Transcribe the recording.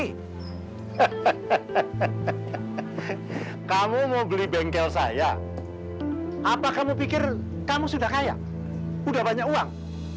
hehehe kamu mau beli bengkel saya apa kamu pikir kamu sudah kaya sudah banyak uang